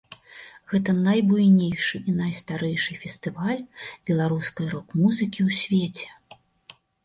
Гэта найбуйнейшы і найстарэйшы фестываль беларускай рок-музыкі ў свеце.